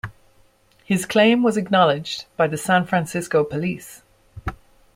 His claim was acknowledged by the San Francisco Police.